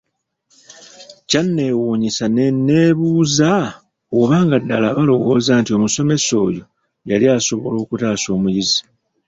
Kyanneewuunyisa ne nneebuuza oba nga ddala balowooza nti omusomesa oyo yali asobola okutaasa omuyizi.